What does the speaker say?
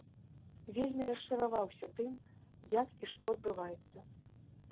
Вельмі расчараваўся тым, як і што адбываецца.